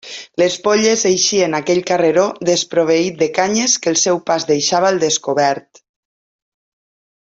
Les polles eixien a aquell carreró desproveït de canyes que el seu pas deixava al descobert.